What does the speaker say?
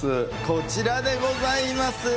こちらでございます。